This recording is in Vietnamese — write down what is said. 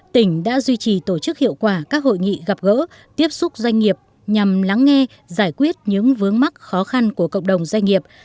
tỉnh đã duy trì tổ chức hiệu quả các hội nghị gặp gỡ tiếp xúc doanh nghiệp nhằm lắng nghe giải quyết những vướng mắc khó khăn của cộng đồng doanh nghiệp